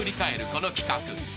この企画］